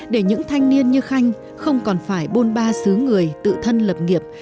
để những thanh niên như khanh không còn phải bôn ba xứ người tự thân lập nghiệp